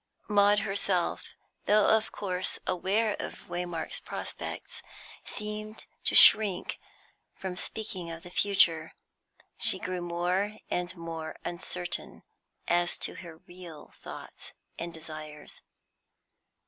Maud herself, though of course aware of Waymark's prospects, seemed to shrink from speaking of the future. She grew more and more uncertain as to her real thoughts and desires.